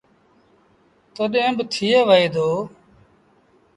تڏهيݩ با ٿئي وهي دو۔